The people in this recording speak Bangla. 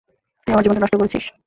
তুই আমার জীবনটা নষ্ট করেছিস!